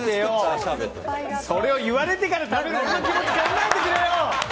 それを言われてから食べる俺の気持ち、考えてくれよ！